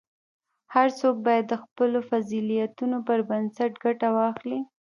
هر څوک باید د خپلو فضیلتونو پر بنسټ ګټه واخلي.